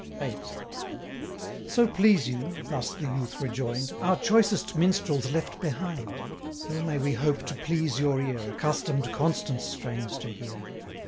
VIII. 'So please you,' thus the youth rejoin'd, 'Our choicest minstrel's left behind. 115 Ill may we hope to please your ear, Accustom'd Constant's strains to hear.